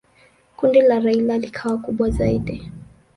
Kundi la Raila likawa kubwa zaidi.